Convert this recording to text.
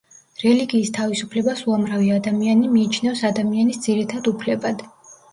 რელიგიის თავისუფლებას უამრავი ადამიანი მიიჩნევს ადამიანის ძირითად უფლებად.